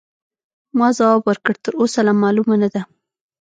ما ځواب ورکړ: تراوسه لا معلومه نه ده.